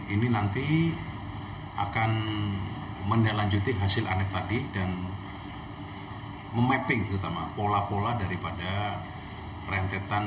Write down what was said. ini nanti akan menelanjutkan hasil anek tadi dan memapping utama pola pola daripada rentetan